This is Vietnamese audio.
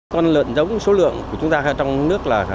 con lợn giống số lượng của chúng ta trong nước